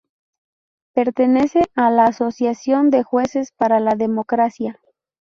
Pertenece a la asociación de Jueces para la Democracia.